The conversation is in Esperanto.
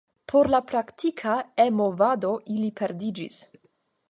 Por la praktika E-movado ili perdiĝis.